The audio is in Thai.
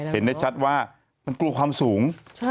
เห็นได้ชัดว่ามันกลัวความสูง